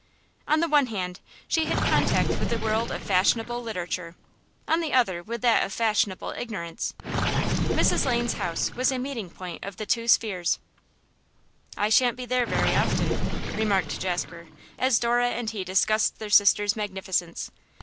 On the one hand, she had contact with the world of fashionable literature, on the other with that of fashionable ignorance. Mrs Lane's house was a meeting point of the two spheres. 'I shan't be there very often,' remarked Jasper, as Dora and he discussed their sister's magnificence.